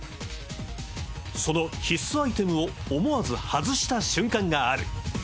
その必須アイテムを思わず外した瞬間がある。